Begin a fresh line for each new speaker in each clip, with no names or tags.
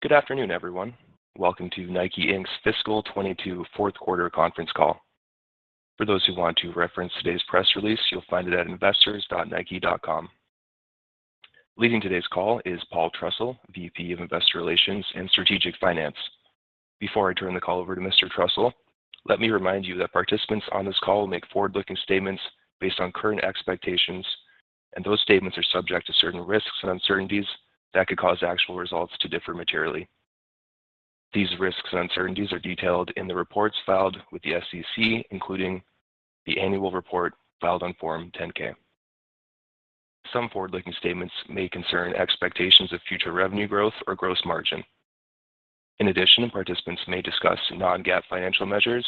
Good afternoon, everyone. Welcome to NIKE, Inc.'s Fiscal 2022 Fourth Quarter Conference Call. For those who want to reference today's press release, you'll find it at investors.nike.com. Leading today's call is Paul Trussell, VP of Investor Relations and Strategic Finance. Before I turn the call over to Mr. Trussell, let me remind you that participants on this call will make forward-looking statements based on current expectations, and those statements are subject to certain risks and uncertainties that could cause actual results to differ materially. These risks and uncertainties are detailed in the reports filed with the SEC, including the annual report filed on Form 10-K. Some forward-looking statements may concern expectations of future revenue growth or gross margin. In addition, participants may discuss non-GAAP financial measures,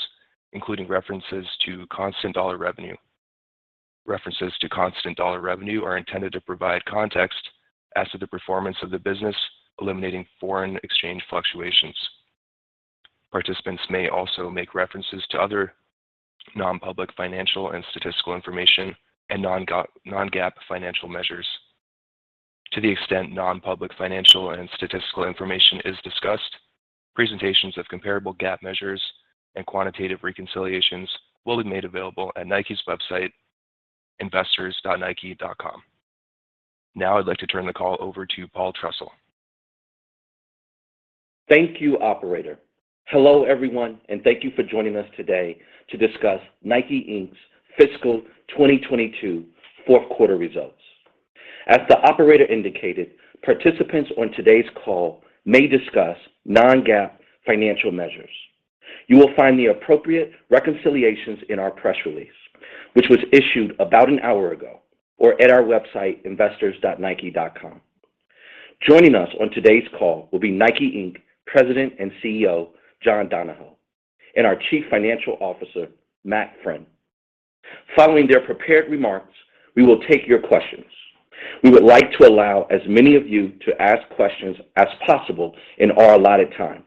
including references to constant dollar revenue. References to constant dollar revenue are intended to provide context as to the performance of the business, eliminating foreign exchange fluctuations. Participants may also make references to other non-public financial and statistical information and non-GAAP financial measures. To the extent non-public financial and statistical information is discussed, presentations of comparable GAAP measures and quantitative reconciliations will be made available at NIKE's website, investors.nike.com. Now I'd like to turn the call over to Paul Trussell.
Thank you, operator. Hello, everyone, and thank you for joining us today to discuss NIKE, Inc.'s Fiscal 2022 Fourth Quarter Results. As the operator indicated, participants on today's call may discuss non-GAAP financial measures. You will find the appropriate reconciliations in our press release, which was issued about an hour ago, or at our website, investors.nike.com. Joining us on today's call will be NIKE, Inc. President and CEO, John Donahoe, and our Chief Financial Officer, Matt Friend. Following their prepared remarks, we will take your questions. We would like to allow as many of you to ask questions as possible in our allotted time,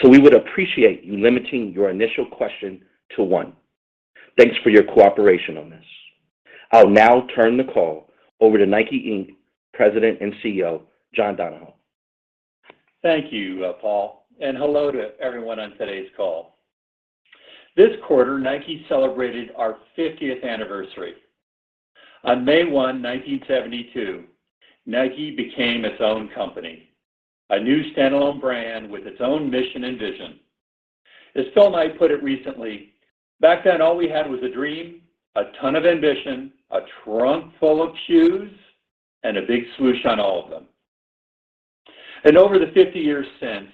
so we would appreciate you limiting your initial question to one. Thanks for your cooperation on this. I'll now turn the call over to NIKE, Inc. President and CEO, John Donahoe.
Thank you, Paul, and hello to everyone on today's call. This quarter, NIKE celebrated our 50th anniversary. On May 1, 1972, NIKE became its own company, a new standalone brand with its own mission and vision. As Phil Knight put it recently, "Back then, all we had was a dream, a ton of ambition, a trunk full of shoes, and a big swoosh on all of them." Over the 50 years since,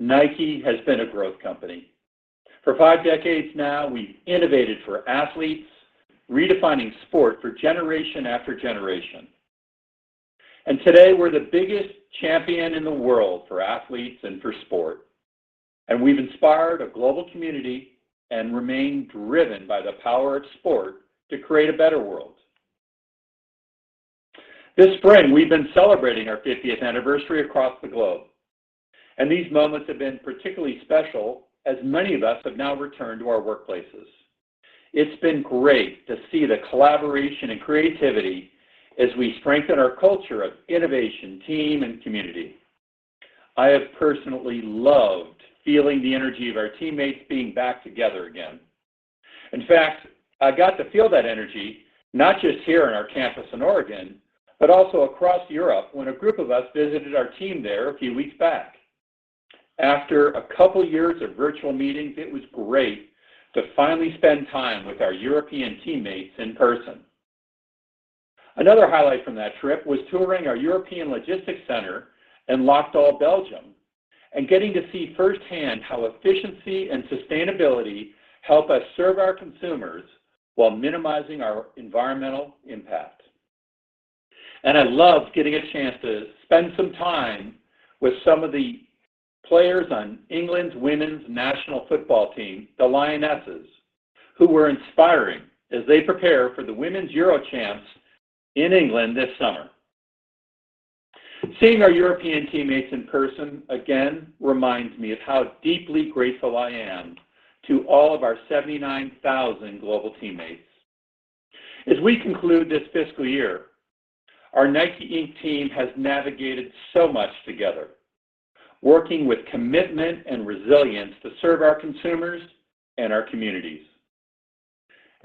NIKE has been a growth company. For five decades now, we've innovated for athletes, redefining sport for generation after generation. Today, we're the biggest champion in the world for athletes and for sport. We've inspired a global community and remain driven by the power of sport to create a better world. This spring, we've been celebrating our 50th anniversary across the globe, and these moments have been particularly special as many of us have now returned to our workplaces. It's been great to see the collaboration and creativity as we strengthen our culture of innovation, team, and community. I have personally loved feeling the energy of our teammates being back together again. In fact, I got to feel that energy not just here in our campus in Oregon, but also across Europe when a group of us visited our team there a few weeks back. After a couple years of virtual meetings, it was great to finally spend time with our European teammates in person. Another highlight from that trip was touring our European logistics center in Laakdal, Belgium, and getting to see firsthand how efficiency and sustainability help us serve our consumers while minimizing our environmental impact. I loved getting a chance to spend some time with some of the players on England's women's national football team, the Lionesses, who were inspiring as they prepare for the UEFA Women's Euro in England this summer. Seeing our European teammates in person again reminds me of how deeply grateful I am to all of our 79,000 global teammates. As we conclude this fiscal year, our NIKE, Inc. team has navigated so much together, working with commitment and resilience to serve our consumers and our communities.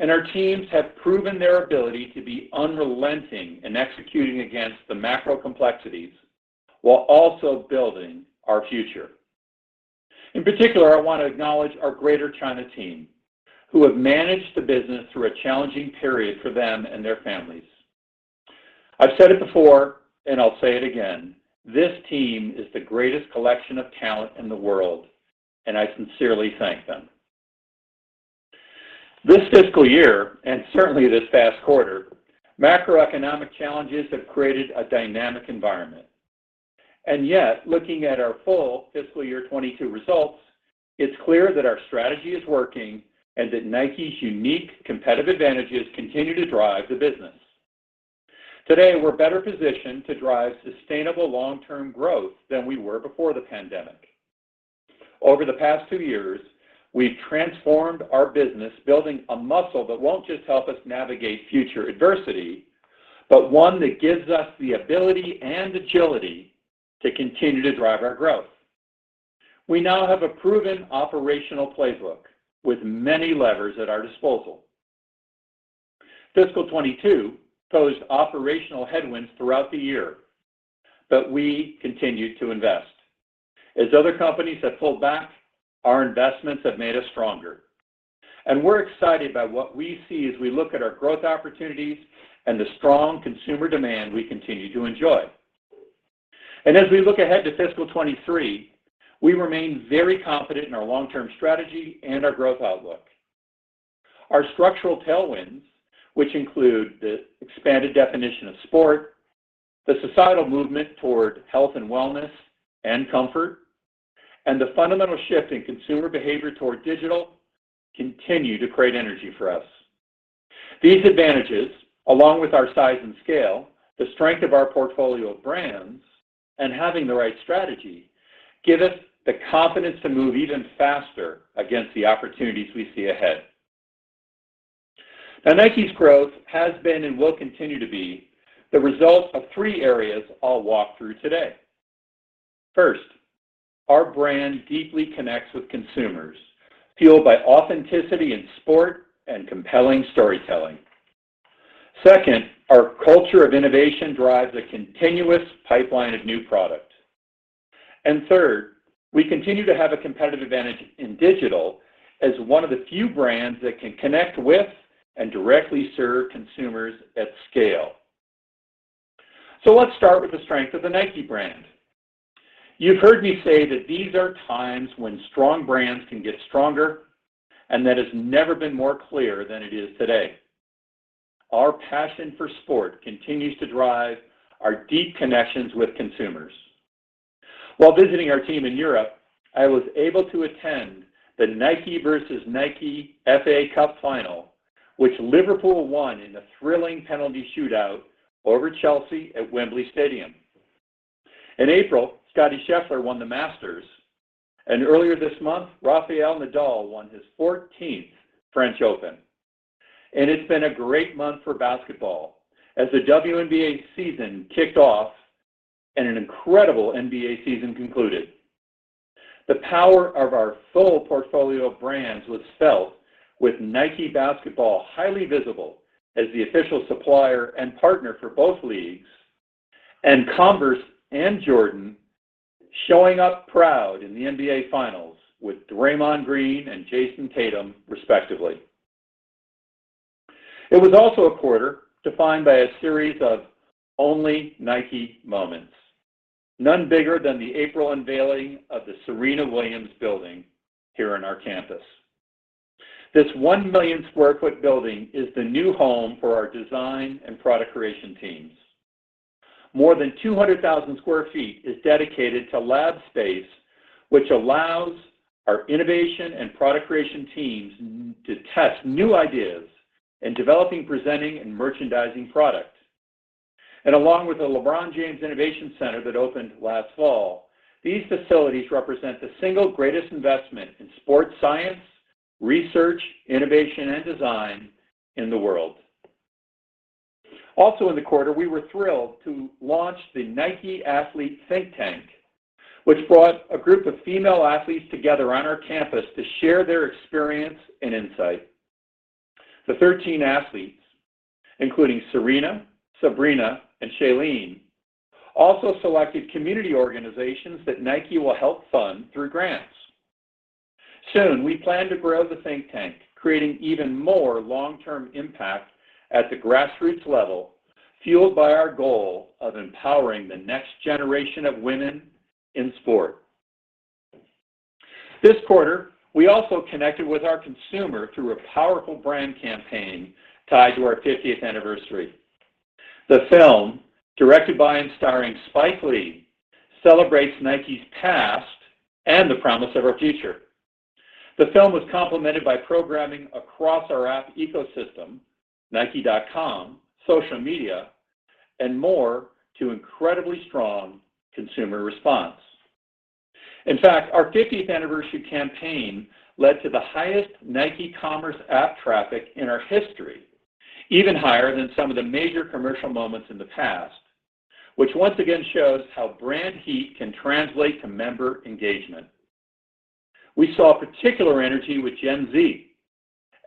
Our teams have proven their ability to be unrelenting in executing against the macro complexities while also building our future. In particular, I want to acknowledge our Greater China team, who have managed the business through a challenging period for them and their families. I've said it before and I'll say it again, this team is the greatest collection of talent in the world, and I sincerely thank them. This fiscal year, and certainly this past quarter, macroeconomic challenges have created a dynamic environment. Yet, looking at our full fiscal year 2022 results, it's clear that our strategy is working and that NIKE's unique competitive advantages continue to drive the business. Today, we're better positioned to drive sustainable long-term growth than we were before the pandemic. Over the past two years, we've transformed our business building a muscle that won't just help us navigate future adversity, but one that gives us the ability and agility to continue to drive our growth. We now have a proven operational playbook with many levers at our disposal. Fiscal 2022 posed operational headwinds throughout the year, but we continued to invest. As other companies have pulled back, our investments have made us stronger, and we're excited by what we see as we look at our growth opportunities and the strong consumer demand we continue to enjoy. As we look ahead to fiscal 2023, we remain very confident in our long-term strategy and our growth outlook. Our structural tailwinds, which include the expanded definition of sport, the societal movement toward health and wellness and comfort, and the fundamental shift in consumer behavior toward digital, continue to create energy for us. These advantages, along with our size and scale, the strength of our portfolio of brands, and having the right strategy give us the confidence to move even faster against the opportunities we see ahead. Now, NIKE's growth has been and will continue to be the result of three areas I'll walk through today. First, our brand deeply connects with consumers, fueled by authenticity in sport and compelling storytelling. Second, our culture of innovation drives a continuous pipeline of new product. Third, we continue to have a competitive advantage in digital as one of the few brands that can connect with and directly serve consumers at scale. Let's start with the strength of the NIKE brand. You've heard me say that these are times when strong brands can get stronger, and that has never been more clear than it is today. Our passion for sport continues to drive our deep connections with consumers. While visiting our team in Europe, I was able to attend the NIKE versus NIKE FA Cup final, which Liverpool won in a thrilling penalty shootout over Chelsea at Wembley Stadium. In April, Scottie Scheffler won the Masters. Earlier this month, Rafael Nadal won his fourteenth French Open. It's been a great month for basketball as the WNBA season kicked off and an incredible NBA season concluded. The power of our full portfolio of brands was felt with NIKE Basketball highly visible as the official supplier and partner for both leagues, and Converse and Jordan showing up proud in the NBA finals with Draymond Green and Jayson Tatum, respectively. It was also a quarter defined by a series of only NIKE moments, none bigger than the April unveiling of the Serena Williams Building here on our campus. This 1 million sq ft building is the new home for our design and product creation teams. More than 200,000 sq ft is dedicated to lab space, which allows our innovation and product creation teams to test new ideas in developing, presenting, and merchandising product. Along with the LeBron James Innovation Center that opened last fall, these facilities represent the single greatest investment in sports science, research, innovation, and design in the world. Also in the quarter, we were thrilled to launch the NIKE Athlete Think Tank, which brought a group of female athletes together on our campus to share their experience and insight. The 13 athletes, including Serena, Sabrina, and Shalane, also selected community organizations that NIKE will help fund through grants. Soon, we plan to grow the Think Tank, creating even more long-term impact at the grassroots level, fueled by our goal of empowering the next generation of women in sport. This quarter, we also connected with our consumer through a powerful brand campaign tied to our 50th anniversary. The film, directed by and starring Spike Lee, celebrates NIKE's past and the promise of our future. The film was complemented by programming across our app ecosystem, NIKE.com, social media, and more to incredibly strong consumer response. In fact, our 50th anniversary campaign led to the highest NIKE Commerce app traffic in our history, even higher than some of the major commercial moments in the past, which once again shows how brand heat can translate to member engagement. We saw particular energy with Gen Z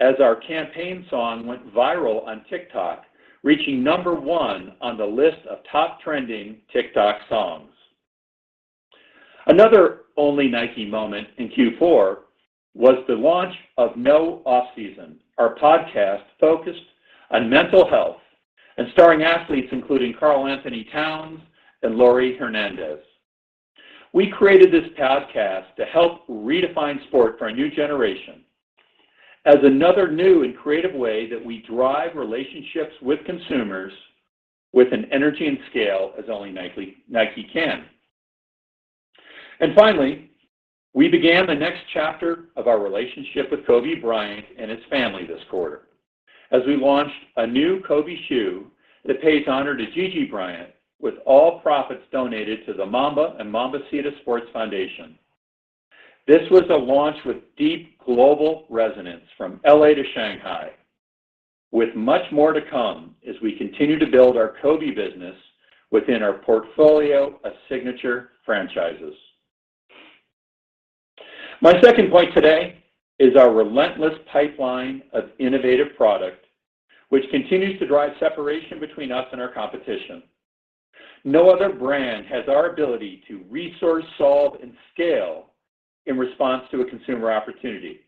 as our campaign song went viral on TikTok, reaching number one on the list of top trending TikTok songs. Another only NIKE moment in Q4 was the launch of No Off-Season, our podcast focused on mental health and starring athletes including Karl-Anthony Towns and Laurie Hernandez. We created this podcast to help redefine sport for a new generation as another new and creative way that we drive relationships with consumers with an energy and scale as only NIKE can. Finally, we began the next chapter of our relationship with Kobe Bryant and his family this quarter. As we launched a new Kobe shoe that pays honor to Gigi Bryant with all profits donated to the Mamba & Mambacita Sports Foundation. This was a launch with deep global resonance from LA to Shanghai, with much more to come as we continue to build our Kobe business within our portfolio of signature franchises. My second point today is our relentless pipeline of innovative product, which continues to drive separation between us and our competition. No other brand has our ability to resource, solve, and scale in response to a consumer opportunity.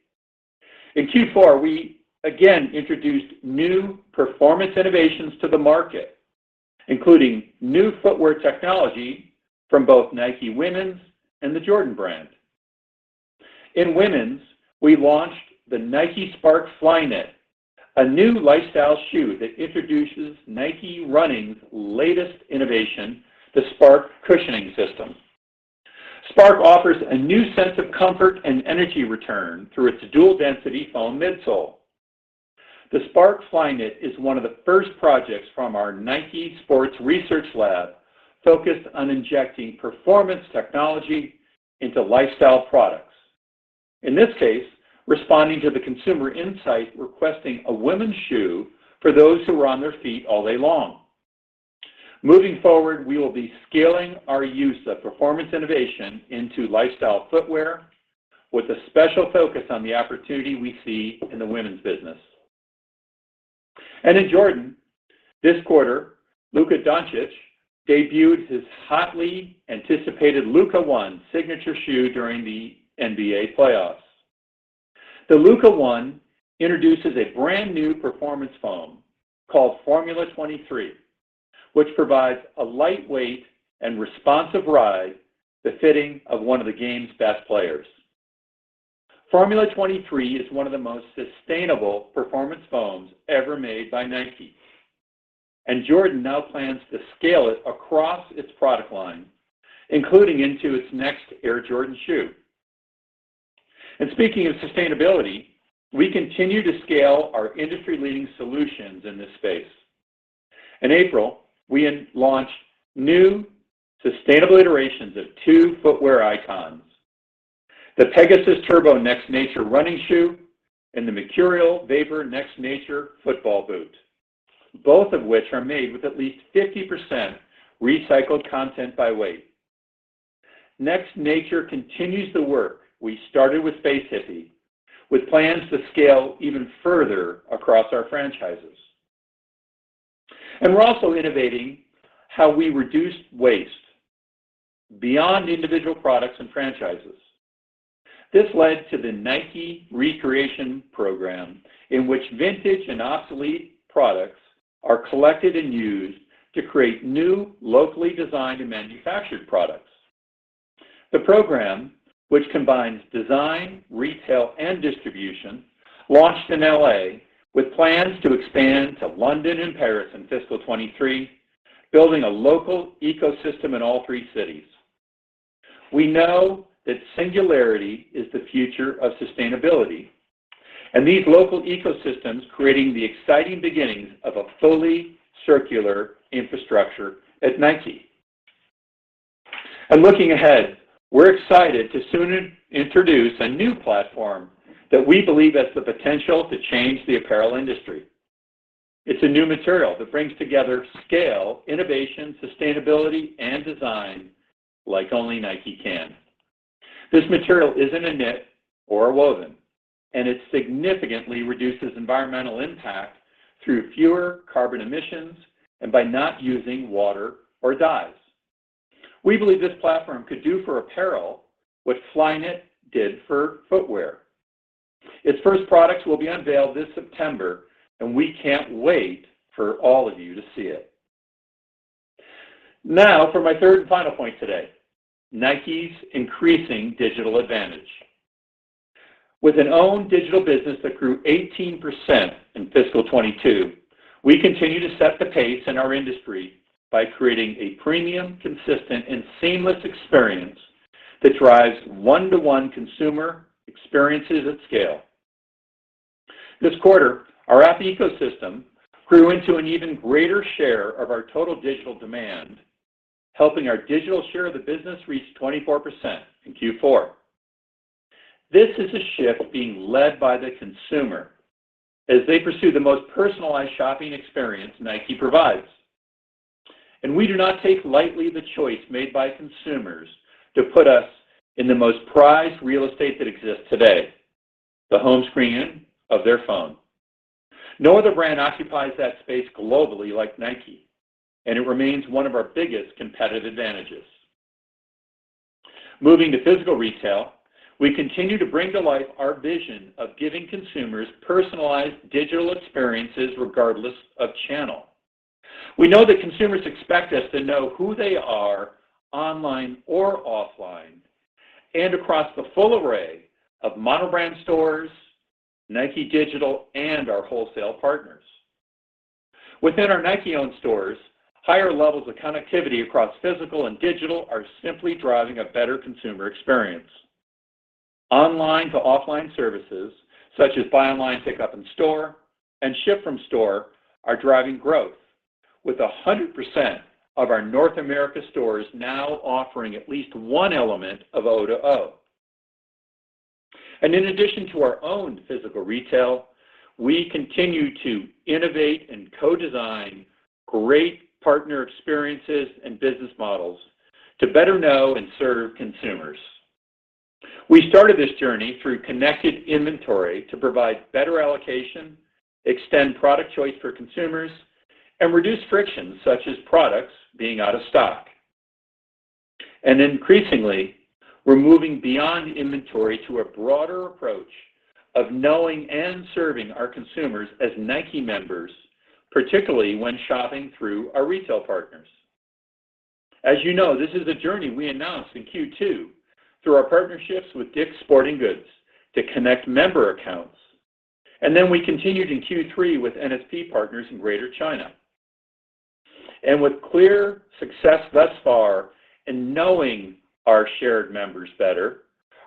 In Q4, we again introduced new performance innovations to the market, including new footwear technology from both NIKE Women's and the Jordan Brand. In women's, we launched the NIKE Spark Flyknit, a new lifestyle shoe that introduces NIKE Running's latest innovation, the Spark cushioning system. Spark offers a new sense of comfort and energy return through its dual-density foam midsole. The Spark Flyknit is one of the first projects from our NIKE Sport Research Lab focused on injecting performance technology into lifestyle products. In this case, responding to the consumer insight, requesting a women's shoe for those who are on their feet all day long. Moving forward, we will be scaling our use of performance innovation into lifestyle footwear with a special focus on the opportunity we see in the women's business. In Jordan, this quarter, Luka Dončić debuted his hotly anticipated Luka 1 signature shoe during the NBA playoffs. The Luka 1 introduces a brand new performance foam called Formula 23, which provides a lightweight and responsive ride befitting of one of the game's best players. Formula 23 is one of the most sustainable performance foams ever made by NIKE, and Jordan now plans to scale it across its product line, including into its next Air Jordan shoe. Speaking of sustainability, we continue to scale our industry-leading solutions in this space. In April, we launched new sustainable iterations of two footwear icons, the Pegasus Turbo Next Nature running shoe and the Mercurial Vapor Next Nature football boot, both of which are made with at least 50% recycled content by weight. Next Nature continues the work we started with Space Hippie, with plans to scale even further across our franchises. We're also innovating how we reduce waste beyond individual products and franchises. This led to the NIKE Recreation program in which vintage and obsolete products are collected and used to create new, locally designed and manufactured products. The program, which combines design, retail, and distribution, launched in L.A. with plans to expand to London and Paris in fiscal 2023, building a local ecosystem in all three cities. We know that circularity is the future of sustainability, and these local ecosystems creating the exciting beginnings of a fully circular infrastructure at NIKE. Looking ahead, we're excited to soon introduce a new platform that we believe has the potential to change the Apparel industry. It's a new material that brings together scale, innovation, sustainability, and design like only NIKE can. This material isn't a knit or a woven, and it significantly reduces environmental impact through fewer carbon emissions and by not using water or dyes. We believe this platform could do for apparel what Flyknit did for footwear. Its first product will be unveiled this September, and we can't wait for all of you to see it. Now for my third and final point today, NIKE's increasing digital advantage. With our own Digital business that grew 18% in fiscal 2022, we continue to set the pace in our industry by creating a premium, consistent, and seamless experience that drives one-to-one consumer experiences at scale. This quarter, our app ecosystem grew into an even greater share of our total digital demand, helping our digital share of the business reach 24% in Q4. This is a shift being led by the consumer as they pursue the most personalized shopping experience NIKE provides. We do not take lightly the choice made by consumers to put us in the most prized real estate that exists today, the home screen of their phone. No other brand occupies that space globally like NIKE, and it remains one of our biggest competitive advantages. Moving to physical retail, we continue to bring to life our vision of giving consumers personalized digital experiences regardless of channel. We know that consumers expect us to know who they are online or offline and across the full array of mono-brand stores, NIKE Digital, and our wholesale partners. Within our NIKE-owned stores, higher levels of connectivity across physical and digital are simply driving a better consumer experience. Online to offline services such as buy online, pick up in store and ship from store are driving growth with 100% of our North America stores now offering at least one element of O2O. In addition to our own physical retail, we continue to innovate and co-design great partner experiences and business models to better know and serve consumers. We started this journey through connected inventory to provide better allocation, extend product choice for consumers, and reduce friction such as products being out of stock. Increasingly, we're moving beyond inventory to a broader approach of knowing and serving our consumers as NIKE members, particularly when shopping through our retail partners. As you know, this is a journey we announced in Q2 through our partnerships with DICK's Sporting Goods to connect member accounts. We continued in Q3 with NSP partners in Greater China. With clear success thus far in knowing our shared members better,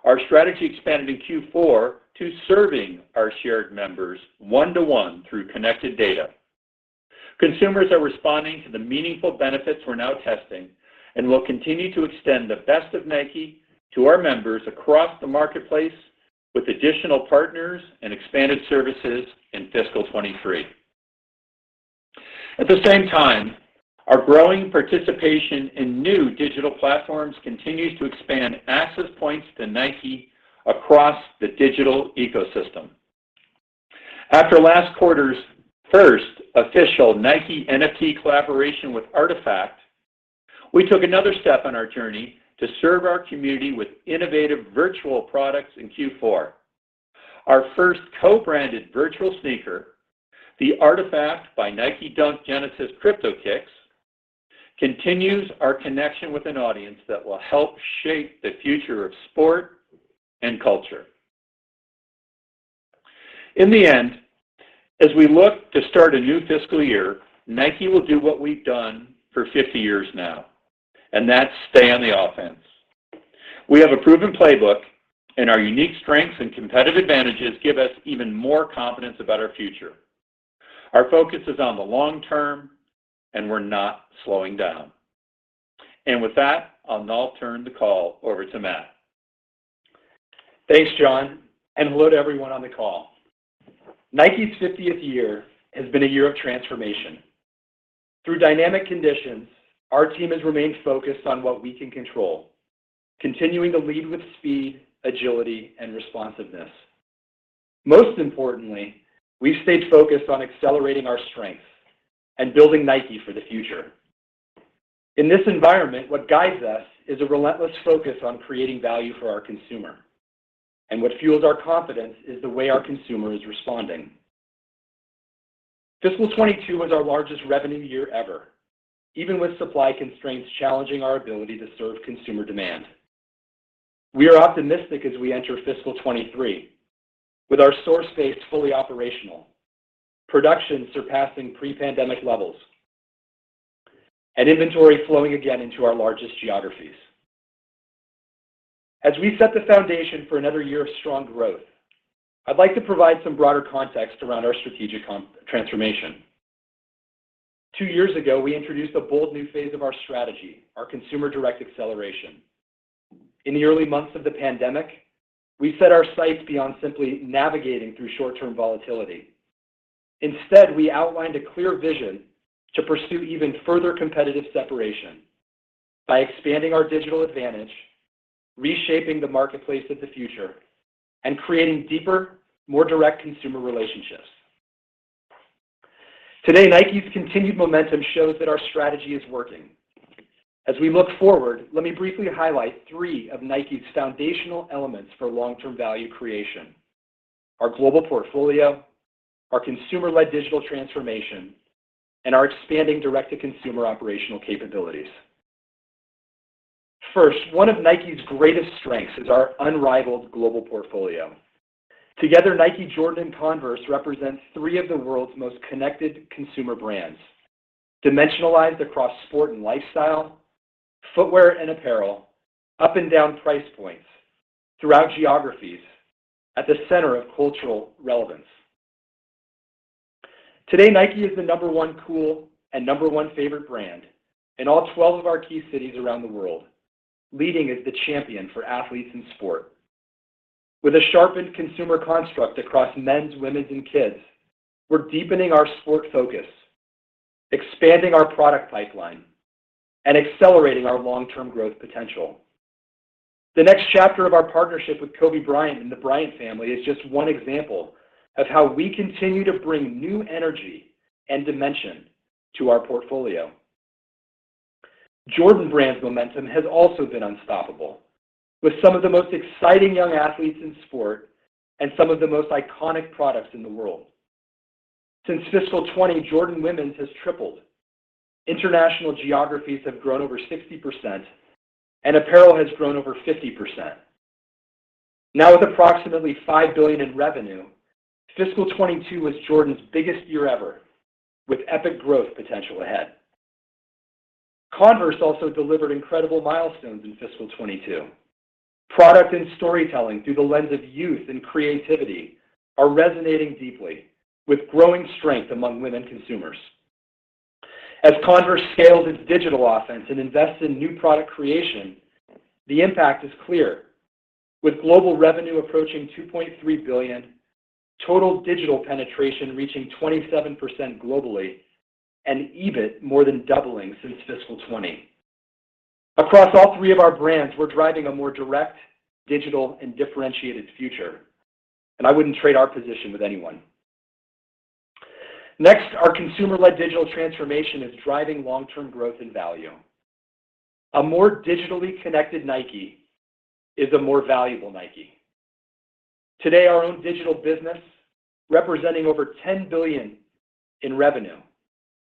our strategy expanded in Q4 to serving our shared members one-to-one through connected data. Consumers are responding to the meaningful benefits we're now testing, and we'll continue to extend the best of NIKE to our members across the marketplace with additional partners and expanded services in fiscal 2023. At the same time, our growing participation in new digital platforms continues to expand access points to NIKE across the digital ecosystem. After last quarter's first official NIKE NFT collaboration with RTFKT, we took another step on our journey to serve our community with innovative virtual products in Q4. Our first co-branded virtual sneaker, the RTFKT by NIKE Dunk Genesis CryptoKicks, continues our connection with an audience that will help shape the future of sport and culture. In the end, as we look to start a new fiscal year, NIKE will do what we've done for 50 years now, and that's stay on the offense. We have a proven playbook, and our unique strengths and competitive advantages give us even more confidence about our future. Our focus is on the long term, and we're not slowing down. With that, I'll now turn the call over to Matt.
Thanks, John, and hello to everyone on the call. NIKE's 50th year has been a year of transformation. Through dynamic conditions, our team has remained focused on what we can control, continuing to lead with speed, agility, and responsiveness. Most importantly, we've stayed focused on accelerating our strengths and building NIKE for the future. In this environment, what guides us is a relentless focus on creating value for our consumer. What fuels our confidence is the way our consumer is responding. Fiscal 2022 was our largest revenue year ever, even with supply constraints challenging our ability to serve consumer demand. We are optimistic as we enter fiscal 2023 with our store space fully operational, production surpassing pre-pandemic levels, and inventory flowing again into our largest geographies. As we set the foundation for another year of strong growth, I'd like to provide some broader context around our strategic transformation. Two years ago, we introduced a bold new phase of our strategy, our Consumer Direct Acceleration. In the early months of the pandemic, we set our sights beyond simply navigating through short-term volatility. Instead, we outlined a clear vision to pursue even further competitive separation by expanding our digital advantage, reshaping the marketplace of the future, and creating deeper, more direct consumer relationships. Today, NIKE's continued momentum shows that our strategy is working. As we look forward, let me briefly highlight three of NIKE's foundational elements for long-term value creation. Our global portfolio, our consumer-led digital transformation, and our expanding direct-to-consumer operational capabilities. First, one of NIKE's greatest strengths is our unrivaled global portfolio. Together, NIKE, Jordan, and Converse represent three of the world's most connected consumer brands, dimensionalized across sport and lifestyle, footwear and apparel, up and down price points throughout geographies at the center of cultural relevance. Today, NIKE is the number one cool and number one favorite brand in all 12 of our key cities around the world, leading as the champion for athletes in sport. With a sharpened consumer construct across men's, women's, and kids, we're deepening our sport focus, expanding our product pipeline, and accelerating our long-term growth potential. The next chapter of our partnership with Kobe Bryant and the Bryant family is just one example of how we continue to bring new energy and dimension to our portfolio. Jordan Brand's momentum has also been unstoppable with some of the most exciting young athletes in sport and some of the most iconic products in the world. Since fiscal 2020, Jordan Women's has tripled. International geographies have grown over 60%, and apparel has grown over 50%. Now with approximately $5 billion in revenue, fiscal 2022 was Jordan's biggest year ever, with epic growth potential ahead. Converse also delivered incredible milestones in fiscal 2022. Product and storytelling through the lens of youth and creativity are resonating deeply with growing strength among women consumers. As Converse scales its digital offense and invests in new product creation, the impact is clear. With global revenue approaching $2.3 billion, total digital penetration reaching 27% globally, and EBIT more than doubling since fiscal 2020. Across all three of our brands, we're driving a more direct, digital, and differentiated future, and I wouldn't trade our position with anyone. Next, our consumer-led digital transformation is driving long-term growth and value. A more digitally connected NIKE is a more valuable NIKE. Today, our own Digital business, representing over $10 billion in revenue,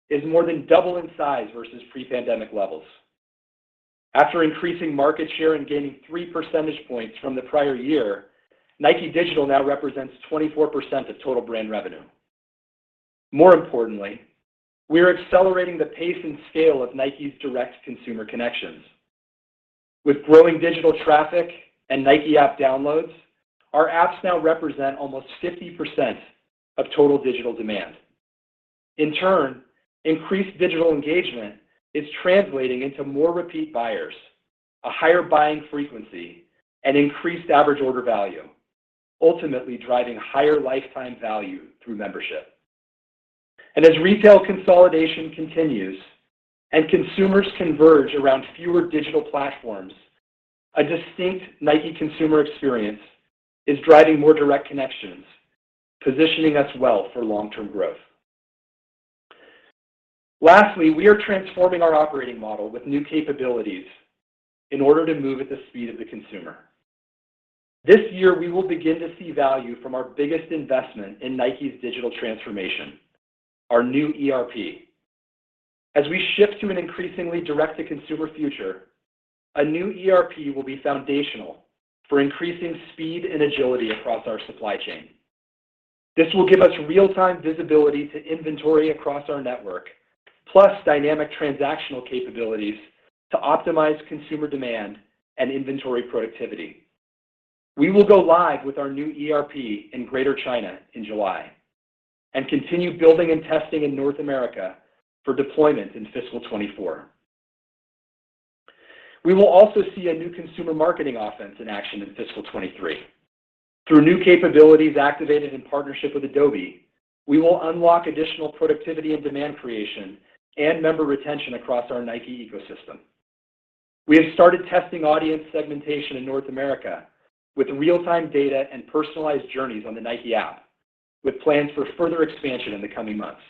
is more than double in size versus pre-pandemic levels. After increasing market share and gaining 3 percentage points from the prior year, NIKE Digital now represents 24% of total brand revenue. More importantly, we are accelerating the pace and scale of NIKE's direct consumer connections. With growing digital traffic and NIKE App downloads, our apps now represent almost 50% of total digital demand. In turn, increased digital engagement is translating into more repeat buyers, a higher buying frequency, and increased average order value, ultimately driving higher lifetime value through membership. As retail consolidation continues and consumers converge around fewer digital platforms, a distinct NIKE consumer experience is driving more direct connections, positioning us well for long-term growth. Lastly, we are transforming our operating model with new capabilities in order to move at the speed of the consumer. This year, we will begin to see value from our biggest investment in NIKE's digital transformation, our new ERP. As we shift to an increasingly direct-to-consumer future, a new ERP will be foundational for increasing speed and agility across our supply chain. This will give us real-time visibility to inventory across our network, plus dynamic transactional capabilities to optimize consumer demand and inventory productivity. We will go live with our new ERP in Greater China in July and continue building and testing in North America for deployment in fiscal 2024. We will also see a new consumer marketing offense in action in fiscal 2023. Through new capabilities activated in partnership with Adobe, we will unlock additional productivity and demand creation and member retention across our NIKE ecosystem. We have started testing audience segmentation in North America with real-time data and personalized journeys on the NIKE App, with plans for further expansion in the coming months.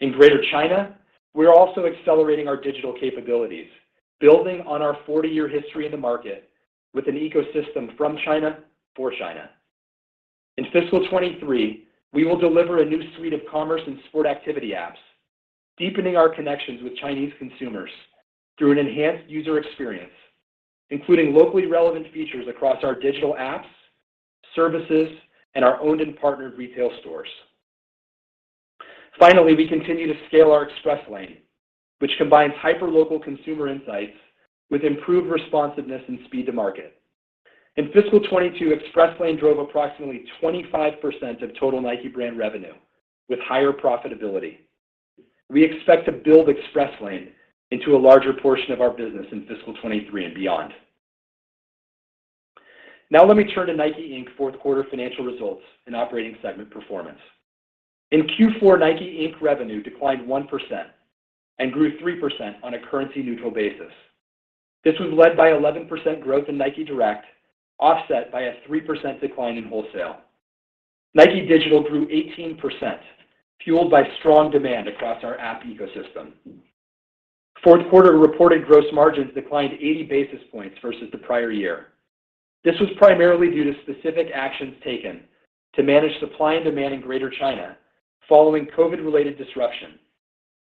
In Greater China, we are also accelerating our digital capabilities, building on our 40-year history in the market with an ecosystem from China for China. In fiscal 2023, we will deliver a new suite of commerce and sport activity apps, deepening our connections with Chinese consumers through an enhanced user experience, including locally relevant features across our digital apps, services, and our owned and partnered retail stores. Finally, we continue to scale our Express Lane, which combines hyperlocal consumer insights with improved responsiveness and speed to market. In fiscal 2022, Express Lane drove approximately 25% of total NIKE brand revenue with higher profitability. We expect to build Express Lane into a larger portion of our business in fiscal 2023 and beyond. Now let me turn to NIKE, Inc. Fourth Quarter Financial Results and Operating segment performance. In Q4, NIKE, Inc. revenue declined 1% and grew 3% on a currency neutral basis. This was led by 11% growth in NIKE Direct, offset by a 3% decline in wholesale. NIKE Digital grew 18%, fueled by strong demand across our app ecosystem. Fourth quarter reported gross margins declined 80 basis points versus the prior year. This was primarily due to specific actions taken to manage supply and demand in Greater China following COVID-related disruption,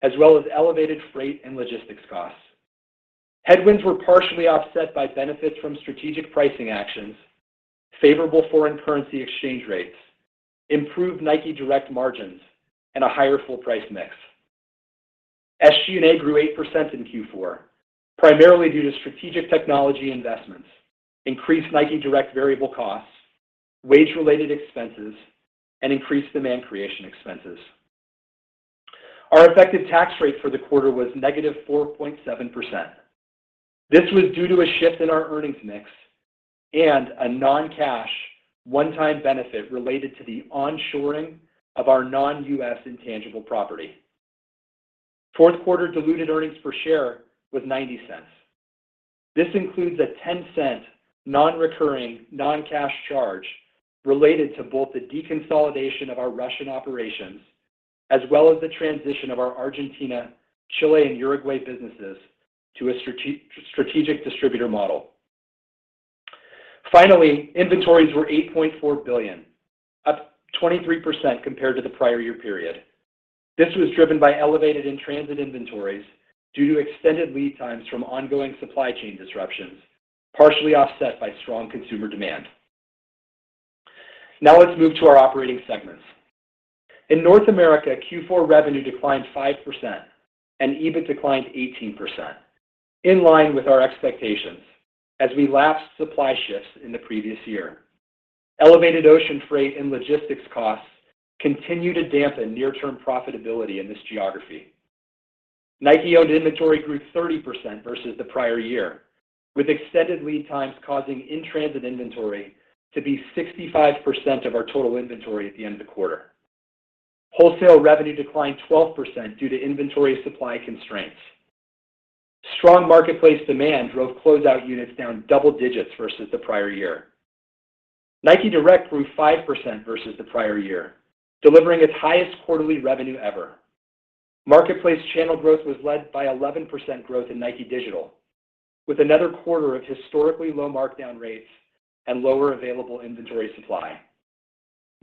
as well as elevated freight and logistics costs. Headwinds were partially offset by benefits from strategic pricing actions, favorable foreign currency exchange rates, improved NIKE Direct margins, and a higher full price mix. SG&A grew 8% in Q4, primarily due to strategic technology investments, increased NIKE Direct variable costs, wage-related expenses, and increased demand creation expenses. Our effective tax rate for the quarter was -4.7%. This was due to a shift in our earnings mix and a non-cash one-time benefit related to the onshoring of our non-U.S. intangible property. Fourth quarter diluted earnings per share was $0.90. This includes a $0.10 non-recurring non-cash charge related to both the deconsolidation of our Russian operations as well as the transition of our Argentina, Chile, and Uruguay businesses to a strategic distributor model. Finally, inventories were $8.4 billion, up 23% compared to the prior year period. This was driven by elevated in-transit inventories due to extended lead times from ongoing supply chain disruptions, partially offset by strong consumer demand. Now let's move to our Operating segments. In North America, Q4 revenue declined 5% and EBIT declined 18%, in line with our expectations as we lapsed supply shifts in the previous year. Elevated ocean freight and logistics costs continue to dampen near-term profitability in this geography. NIKE-owned inventory grew 30% versus the prior year, with extended lead times causing in-transit inventory to be 65% of our total inventory at the end of the quarter. Wholesale revenue declined 12% due to inventory supply constraints. Strong marketplace demand drove closeout units down double digits versus the prior year. NIKE Direct grew 5% versus the prior year, delivering its highest quarterly revenue ever. Marketplace channel growth was led by 11% growth in NIKE Digital, with another quarter of historically low markdown rates and lower available inventory supply.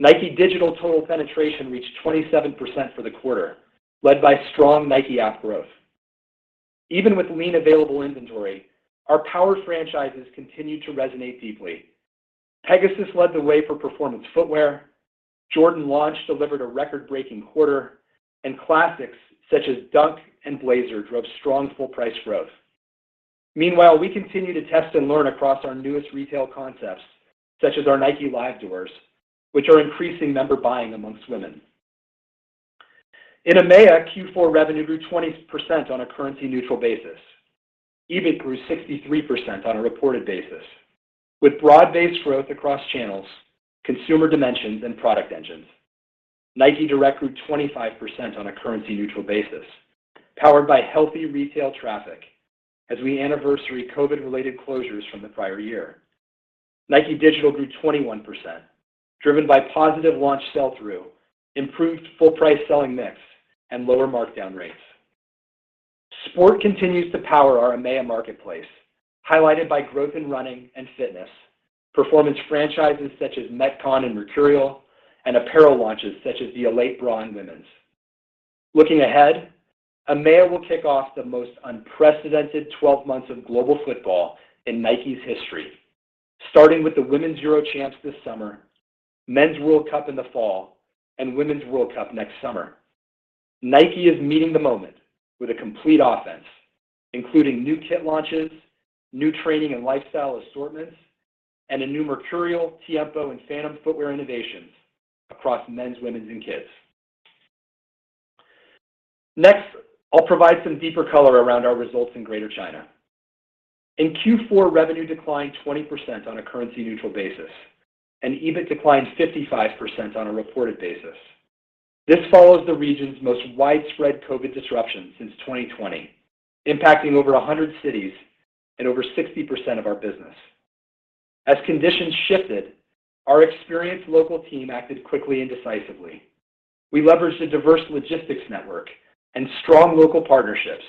NIKE Digital total penetration reached 27% for the quarter, led by strong NIKE app growth. Even with lean available inventory, our power franchises continued to resonate deeply. Pegasus led the way for performance footwear, Jordan Brand delivered a record-breaking quarter, and classics such as Dunk and Blazer drove strong full price growth. Meanwhile, we continue to test and learn across our newest retail concepts, such as our NIKE Live doors, which are increasing member buying among women. In EMEA, Q4 revenue grew 20% on a currency neutral basis. EBIT grew 63% on a reported basis. With broad-based growth across channels, consumer dimensions, and product engines, NIKE Direct grew 25% on a currency neutral basis, powered by healthy retail traffic as we anniversary COVID-related closures from the prior year. NIKE Digital grew 21%, driven by positive launch sell-through, improved full price selling mix, and lower markdown rates. Sport continues to power our EMEA marketplace, highlighted by growth in running and fitness, performance franchises such as Metcon and Mercurial, and apparel launches such as the Elite Bra in women's. Looking ahead, EMEA will kick off the most unprecedented 12 months of global football in NIKE's history, starting with the UEFA Women's Euro this summer, FIFA World Cup in the fall, and FIFA Women's World Cup next summer. NIKE is meeting the moment with a complete offense, including new kit launches, new training and lifestyle assortments, and a new Mercurial, Tiempo, and Phantom footwear innovations across men's, women's, and kids. Next, I'll provide some deeper color around our results in Greater China. In Q4, revenue declined 20% on a currency neutral basis, and EBIT declined 55% on a reported basis. This follows the region's most widespread COVID disruption since 2020, impacting over 100 cities and over 60% of our business. As conditions shifted, our experienced local team acted quickly and decisively. We leveraged a diverse logistics network and strong local partnerships,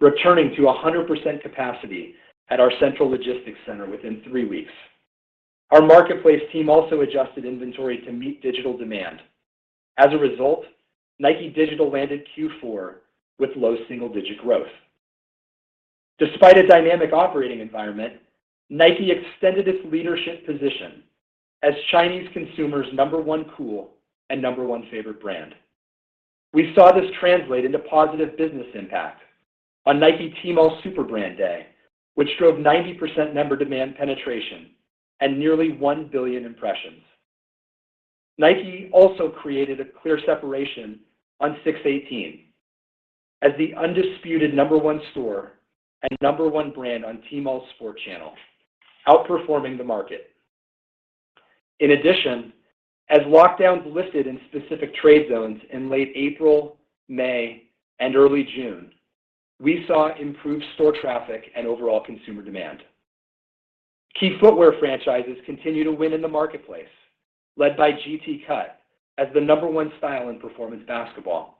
returning to 100% capacity at our central logistics center within 3 weeks. Our marketplace team also adjusted inventory to meet digital demand. As a result, NIKE Digital landed Q4 with low single-digit growth. Despite a dynamic operating environment, NIKE extended its leadership position as Chinese consumers' number one cool and number one favorite brand. We saw this translate into positive business impact on NIKE Tmall Super Brand Day, which drove 90% member demand penetration and nearly 1 billion impressions. NIKE also created a clear separation on 618 as the undisputed number one store and number one brand on Tmall's sport channel, outperforming the market. In addition, as lockdowns lifted in specific trade zones in late April, May, and early June, we saw improved store traffic and overall consumer demand. Key footwear franchises continue to win in the marketplace, led by G.T. Cut as the number one style in performance basketball,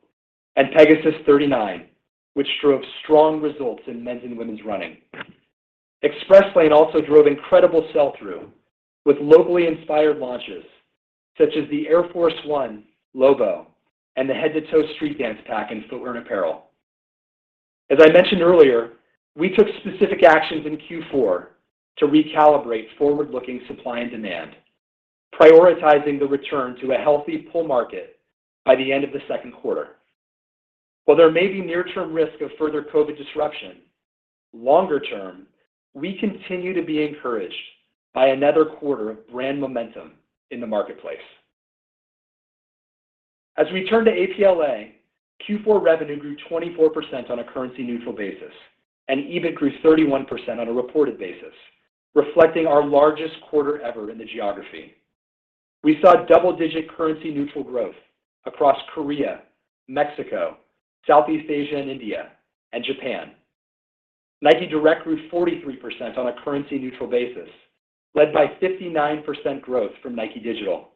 and Pegasus 39, which drove strong results in men's and women's running. Express Lane also drove incredible sell-through with locally inspired launches such as the Air Force 1 Low and the Head to Toe Street Dance Pack in footwear and apparel. As I mentioned earlier, we took specific actions in Q4 to recalibrate forward-looking supply and demand, prioritizing the return to a healthy pull market by the end of the second quarter. While there may be near-term risk of further COVID disruption, longer term, we continue to be encouraged by another quarter of brand momentum in the marketplace. As we turn to APLA, Q4 revenue grew 24% on a currency neutral basis, and EBIT grew 31% on a reported basis, reflecting our largest quarter ever in the geography. We saw double-digit currency neutral growth across Korea, Mexico, Southeast Asia and India, and Japan. NIKE Direct grew 43% on a currency neutral basis, led by 59% growth from NIKE Digital.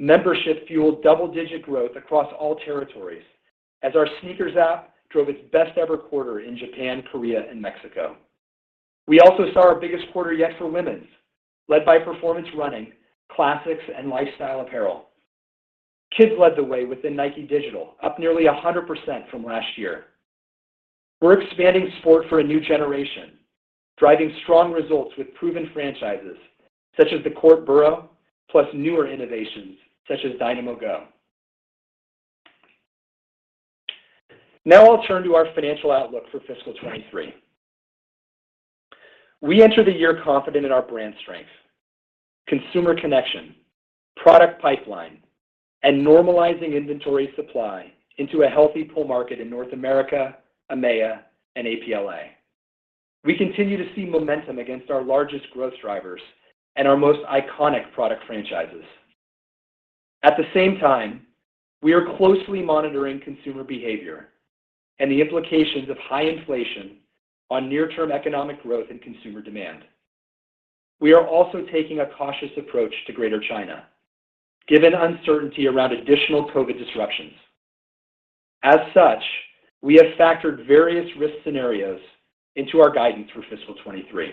Membership fueled double-digit growth across all territories as our SNKRS drove its best ever quarter in Japan, Korea, and Mexico. We also saw our biggest quarter yet for women's, led by performance running, classics, and lifestyle apparel. Kids led the way within NIKE Digital, up nearly 100% from last year. We're expanding sport for a new generation, driving strong results with proven franchises such as the Court Borough, plus newer innovations such as Dynamo Go. Now I'll turn to our financial outlook for fiscal 2023. We enter the year confident in our brand strength, consumer connection, product pipeline, and normalizing inventory supply into a healthy pull market in North America, EMEA, and APLA. We continue to see momentum against our largest growth drivers and our most iconic product franchises. At the same time, we are closely monitoring consumer behavior and the implications of high inflation on near-term economic growth and consumer demand. We are also taking a cautious approach to Greater China, given uncertainty around additional COVID disruptions. As such, we have factored various risk scenarios into our guidance for fiscal 2023.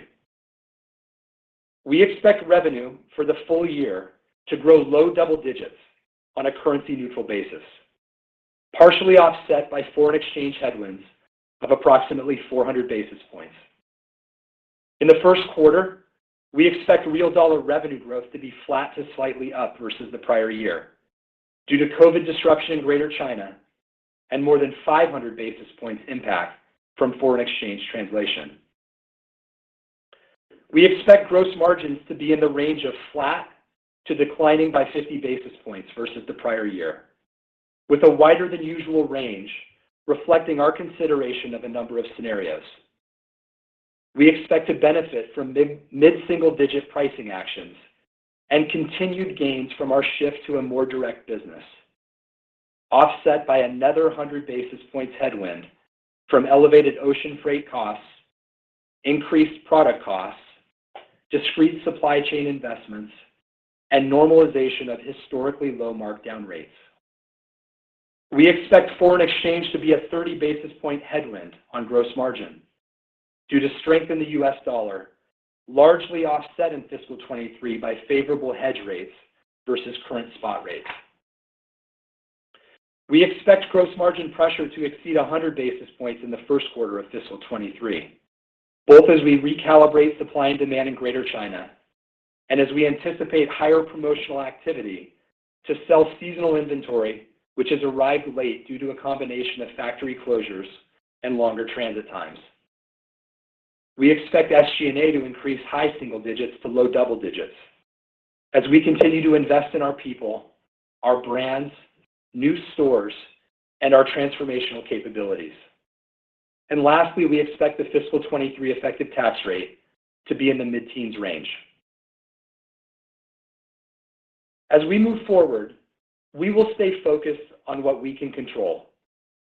We expect revenue for the full year to grow low double digits on a currency-neutral basis, partially offset by foreign exchange headwinds of approximately 400 basis points. In the first quarter, we expect real dollar revenue growth to be flat to slightly up versus the prior year due to COVID disruption in Greater China and more than 500 basis points impact from foreign exchange translation. We expect gross margins to be in the range of flat to declining by 50 basis points versus the prior year, with a wider than usual range reflecting our consideration of a number of scenarios. We expect to benefit from mid-single-digit pricing actions and continued gains from our shift to a more direct business, offset by another 100 basis points headwind from elevated ocean freight costs, increased product costs, discrete supply chain investments, and normalization of historically low markdown rates. We expect foreign exchange to be a 30 basis point headwind on gross margin due to strength in the U.S. dollar, largely offset in fiscal 2023 by favorable hedge rates versus current spot rates. We expect gross margin pressure to exceed 100 basis points in the first quarter of fiscal 2023, both as we recalibrate supply and demand in Greater China and as we anticipate higher promotional activity to sell seasonal inventory, which has arrived late due to a combination of factory closures and longer transit times. We expect SG&A to increase high single digits to low double digits as we continue to invest in our people, our brands, new stores, and our transformational capabilities. Lastly, we expect the fiscal 2023 effective tax rate to be in the mid-teens range. As we move forward, we will stay focused on what we can control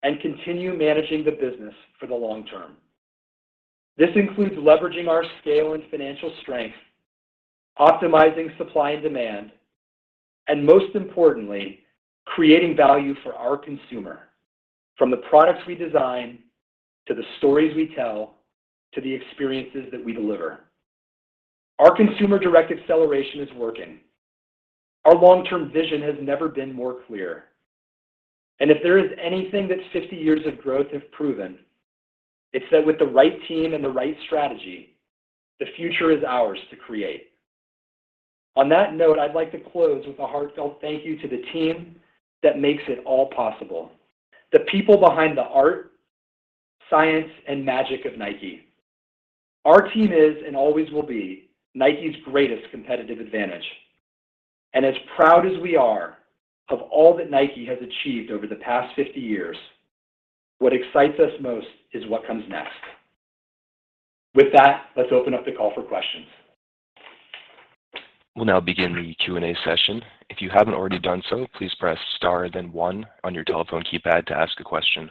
and continue managing the business for the long term. This includes leveraging our scale and financial strength, optimizing supply and demand, and most importantly, creating value for our consumer from the products we design, to the stories we tell, to the experiences that we deliver. Our Consumer Direct Acceleration is working. Our long-term vision has never been more clear. If there is anything that 50 years of growth have proven, it's that with the right team and the right strategy, the future is ours to create. On that note, I'd like to close with a heartfelt thank you to the team that makes it all possible. The people behind the art, science, and magic of NIKE. Our team is, and always will be, NIKE's greatest competitive advantage. As proud as we are of all that NIKE has achieved over the past 50 years, what excites us most is what comes next. With that, let's open up the call for questions.
We'll now begin the Q&A session. If you haven't already done so, please press star then one on your telephone keypad to ask a question.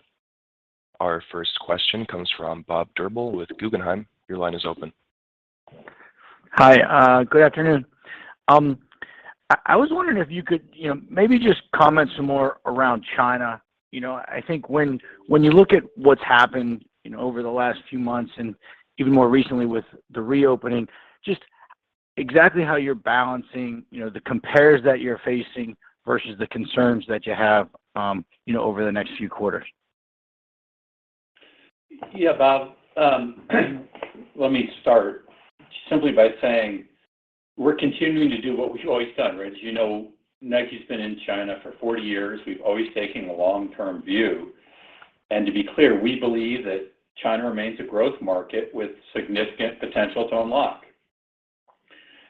Our first question comes from Bob Drbul with Guggenheim. Your line is open.
Hi. Good afternoon. I was wondering if you could, you know, maybe just comment some more around China. You know, I think when you look at what's happened, you know, over the last few months and even more recently with the reopening, just exactly how you're balancing, you know, the compares that you're facing versus the concerns that you have, you know, over the next few quarters?
Yeah, Bob. Let me start simply by saying we're continuing to do what we've always done, right? As you know, NIKE's been in China for 40 years. We've always taken a long-term view. To be clear, we believe that China remains a growth market with significant potential to unlock.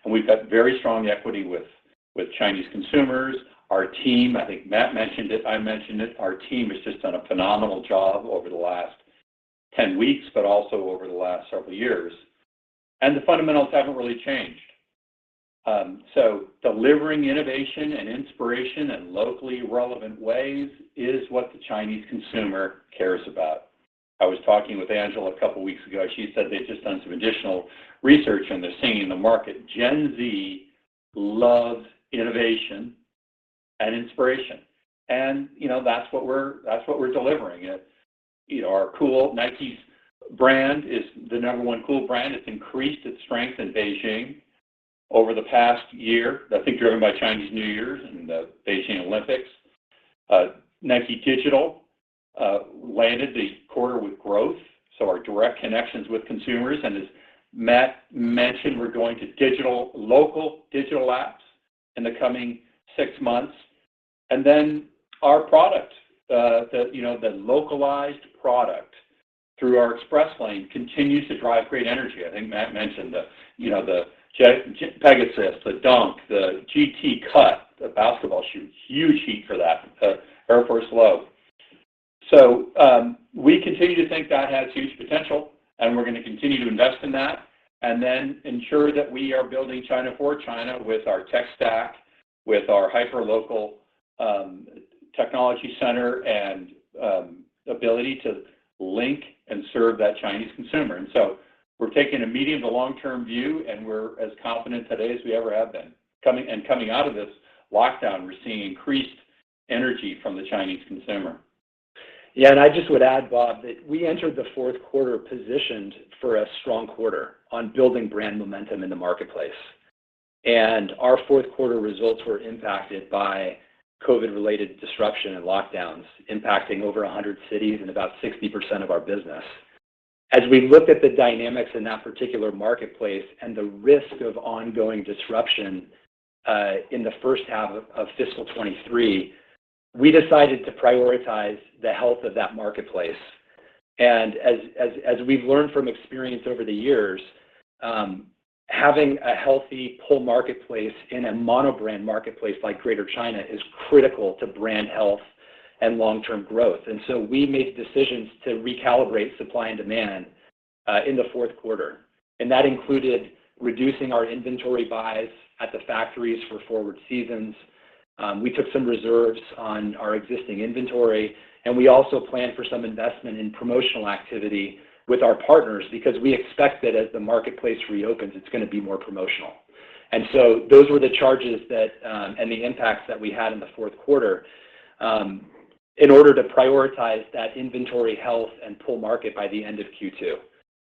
We've got very strong equity with Chinese consumers. Our team, I think Matt mentioned it, I mentioned it, our team has just done a phenomenal job over the last 10 weeks, but also over the last several years. The fundamentals haven't really changed. Delivering innovation and inspiration in locally relevant ways is what the Chinese consumer cares about. I was talking with Angela a couple weeks ago. She said they've just done some additional research, and they're seeing in the market Gen Z loves innovation. Inspiration. You know, that's what we're delivering. You know, our cool NIKE brand is the number one cool brand. It's increased its strength in Beijing over the past year, I think driven by Chinese New Year and the Beijing Olympics. NIKE Digital landed the quarter with growth, so our direct connections with consumers. As Matt mentioned, we're going to digital, local digital apps in the coming six months. Our product, you know, the localized product through our Express Lane continues to drive great energy. I think Matt mentioned the, you know, the Pegasus, the Dunk, the G.T. Cut, the basketball shoes, huge heat for that, Air Force 1 Low. We continue to think that has huge potential, and we're gonna continue to invest in that, and then ensure that we are building China for China with our tech stack, with our hyperlocal technology center and ability to link and serve that Chinese consumer. We're taking a medium to long-term view, and we're as confident today as we ever have been. Coming out of this lockdown, we're seeing increased energy from the Chinese consumer.
Yeah. I just would add, Bob, that we entered the fourth quarter positioned for a strong quarter on building brand momentum in the marketplace. Our fourth quarter results were impacted by COVID-related disruption and lockdowns impacting over 100 cities and about 60% of our business. As we looked at the dynamics in that particular marketplace and the risk of ongoing disruption, in the first half of fiscal 2023, we decided to prioritize the health of that marketplace. As we've learned from experience over the years, having a healthy pull marketplace in a mono-brand marketplace like Greater China is critical to brand health and long-term growth. We made decisions to recalibrate supply and demand, in the fourth quarter, and that included reducing our inventory buys at the factories for forward seasons. We took some reserves on our existing inventory, and we also planned for some investment in promotional activity with our partners because we expect that as the marketplace reopens, it's gonna be more promotional. Those were the charges and the impacts that we had in the fourth quarter in order to prioritize that inventory health and pull market by the end of Q2.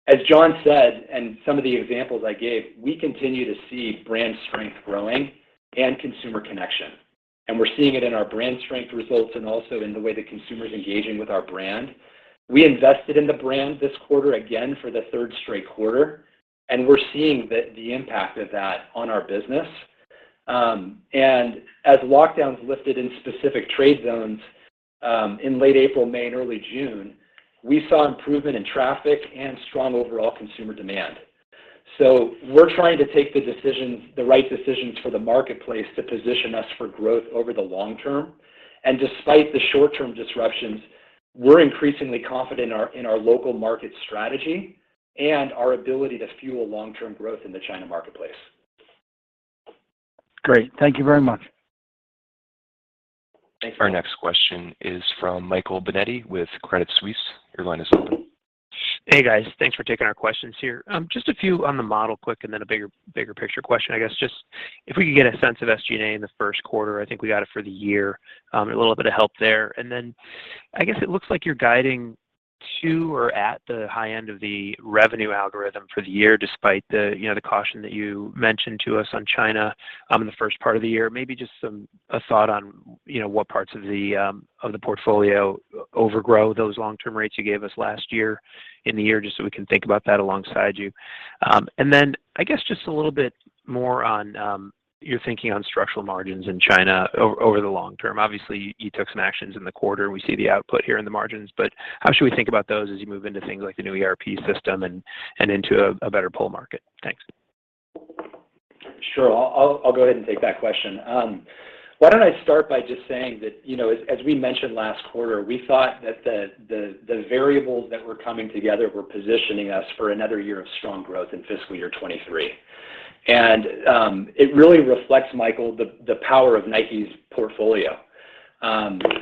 As John said, and some of the examples I gave, we continue to see brand strength growing and consumer connection, and we're seeing it in our brand strength results and also in the way the consumer's engaging with our brand. We invested in the brand this quarter, again, for the third straight quarter, and we're seeing the impact of that on our business. As lockdowns lifted in specific trade zones in late April, May, and early June, we saw improvement in traffic and strong overall consumer demand. We're trying to take the right decisions for the marketplace to position us for growth over the long term. Despite the short-term disruptions, we're increasingly confident in our local market strategy and our ability to fuel long-term growth in the China marketplace.
Great. Thank you very much.
Thank you.
Our next question is from Michael Binetti with Credit Suisse. Your line is open.
Hey, guys. Thanks for taking our questions here. Just a few on the model quick and then a bigger picture question, I guess just if we could get a sense of SG&A in the first quarter. I think we got it for the year, but a little bit of help there. Then I guess it looks like you're guiding to or at the high end of the revenue algorithm for the year despite the, you know, the caution that you mentioned to us on China, in the first part of the year. Maybe just some thought on, you know, what parts of the portfolio overgrow those long-term rates you gave us last year in the year, just so we can think about that alongside you. I guess just a little bit more on your thinking on structural margins in China over the long term. Obviously, you took some actions in the quarter. We see the output here in the margins, but how should we think about those as you move into things like the new ERP system and into a better pull market? Thanks.
Sure. I'll go ahead and take that question. Why don't I start by just saying that, you know, as we mentioned last quarter, we thought that the variables that were coming together were positioning us for another year of strong growth in fiscal year 2023. It really reflects, Michael, the power of NIKE's portfolio.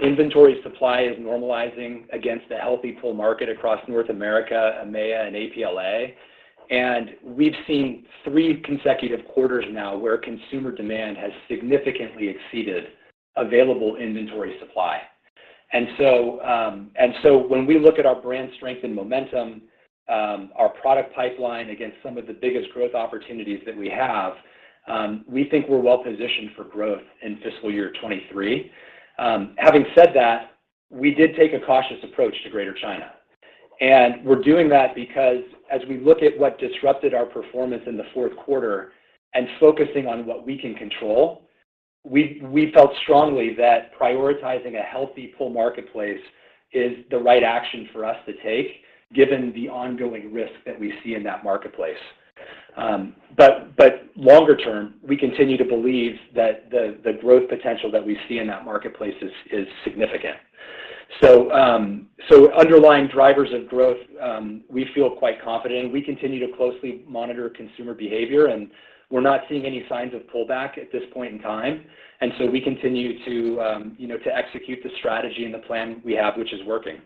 Inventory supply is normalizing against a healthy pull market across North America, EMEA, and APLA. We've seen three consecutive quarters now where consumer demand has significantly exceeded available inventory supply. When we look at our brand strength and momentum, our product pipeline against some of the biggest growth opportunities that we have, we think we're well positioned for growth in fiscal year 2023. Having said that, we did take a cautious approach to Greater China, and we're doing that because as we look at what disrupted our performance in the fourth quarter and focusing on what we can control, we felt strongly that prioritizing a healthy pull marketplace is the right action for us to take given the ongoing risk that we see in that marketplace. Longer term, we continue to believe that the growth potential that we see in that marketplace is significant. Underlying drivers of growth, we feel quite confident. We continue to closely monitor consumer behavior, and we're not seeing any signs of pullback at this point in time. We continue to, you know, to execute the strategy and the plan we have, which is working.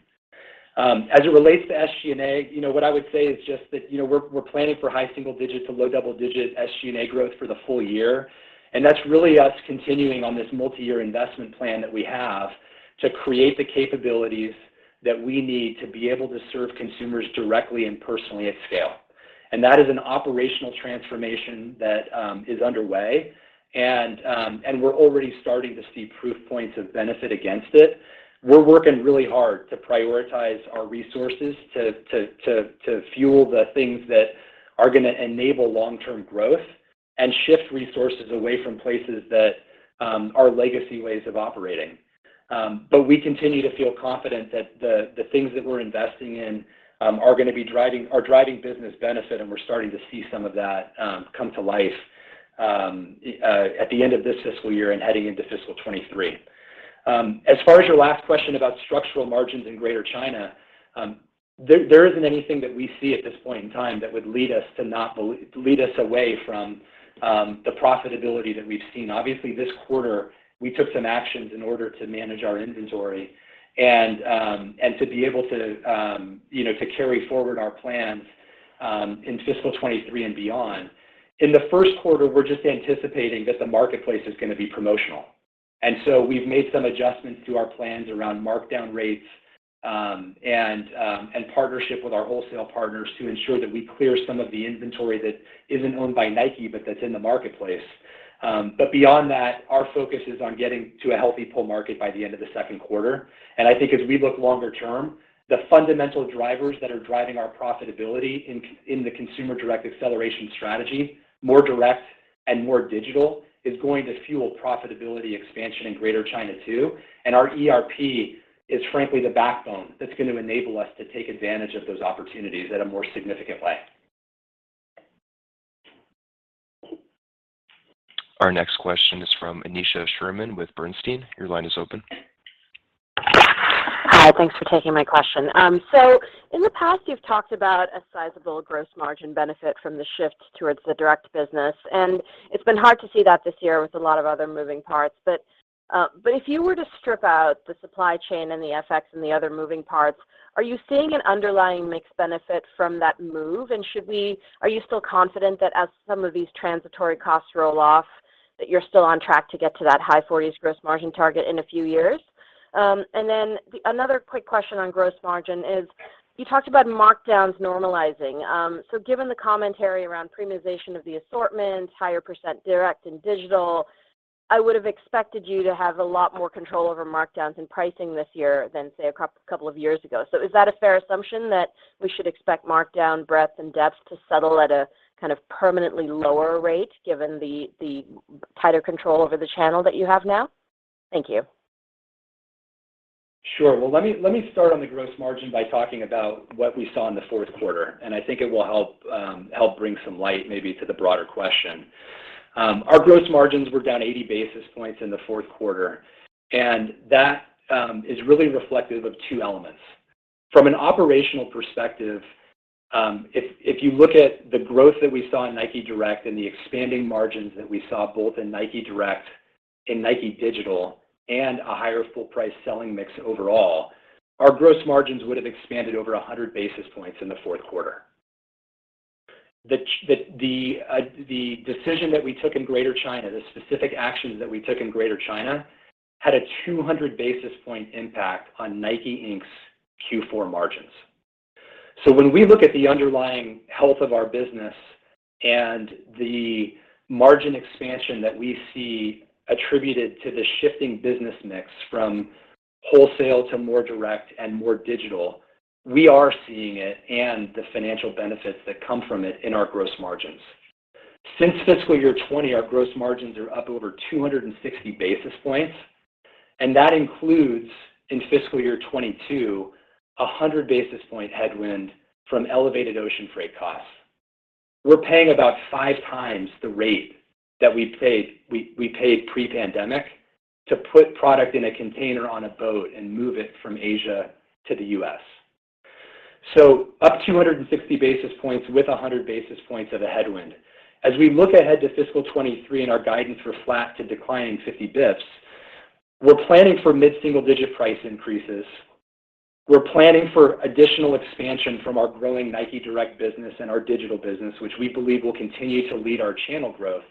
As it relates to SG&A, you know, what I would say is just that, you know, we're planning for high single-digit to low double-digit SG&A growth for the full year. That's really us continuing on this multiyear investment plan that we have to create the capabilities that we need to be able to serve consumers directly and personally at scale. That is an operational transformation that is underway. We're already starting to see proof points of benefit against it. We're working really hard to prioritize our resources to fuel the things that are gonna enable long-term growth and shift resources away from places that are legacy ways of operating. We continue to feel confident that the things that we're investing in are driving business benefit, and we're starting to see some of that come to life at the end of this fiscal year and heading into fiscal 2023. As far as your last question about structural margins in Greater China, there isn't anything that we see at this point in time that would lead us away from the profitability that we've seen. Obviously, this quarter, we took some actions in order to manage our inventory and to be able to, you know, to carry forward our plans in fiscal 2023 and beyond. In the first quarter, we're just anticipating that the marketplace is gonna be promotional. We've made some adjustments to our plans around markdown rates, and partnership with our wholesale partners to ensure that we clear some of the inventory that isn't owned by NIKE but that's in the marketplace. But beyond that, our focus is on getting to a healthy pull market by the end of the second quarter. I think as we look longer term, the fundamental drivers that are driving our profitability in the Consumer Direct Acceleration strategy, more direct and more digital, is going to fuel profitability expansion in Greater China too. Our ERP is frankly the backbone that's gonna enable us to take advantage of those opportunities in a more significant way.
Our next question is from Aneesha Sherman with Bernstein. Your line is open.
Hi. Thanks for taking my question. So in the past, you've talked about a sizable gross margin benefit from the shift towards the direct business, and it's been hard to see that this year with a lot of other moving parts. If you were to strip out the supply chain and the FX and the other moving parts, are you seeing an underlying mix benefit from that move? Are you still confident that as some of these transitory costs roll off, that you're still on track to get to that high forties gross margin target in a few years? Then another quick question on gross margin is you talked about markdowns normalizing. Given the commentary around premiumization of the assortment, higher % direct and digital, I would have expected you to have a lot more control over markdowns and pricing this year than, say, a couple of years ago. Is that a fair assumption that we should expect markdown breadth and depth to settle at a kind of permanently lower rate given the tighter control over the channel that you have now? Thank you.
Sure. Well, let me start on the gross margin by talking about what we saw in the fourth quarter, and I think it will help bring some light maybe to the broader question. Our gross margins were down 80 basis points in the fourth quarter, and that is really reflective of two elements. From an operational perspective, if you look at the growth that we saw in NIKE Direct and the expanding margins that we saw both in NIKE Direct and NIKE Digital and a higher full price selling mix overall, our gross margins would have expanded over 100 basis points in the fourth quarter. The decision that we took in Greater China, the specific actions that we took in Greater China, had a 200 basis point impact on NIKE, Inc.'s Q4 margins. When we look at the underlying health of our business and the margin expansion that we see attributed to the shifting business mix from wholesale to more direct and more digital, we are seeing it and the financial benefits that come from it in our gross margins. Since fiscal year 2020, our gross margins are up over 260 basis points, and that includes, in fiscal year 2022, 100 basis point headwind from elevated ocean freight costs. We're paying about 5 times the rate that we paid pre-pandemic to put product in a container on a boat and move it from Asia to the U.S. Up 260 basis points with 100 basis points of a headwind. As we look ahead to fiscal 2023 and our guidance for flat to declining 50 basis points, we're planning for mid-single-digit price increases. We're planning for additional expansion from our growing NIKE Direct business and our NIKE Digital business, which we believe will continue to lead our channel growth.